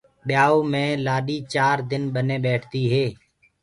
ٻيآئوٚ مي لآڏي چآر دن ٻني ٻيٺديٚ هي۔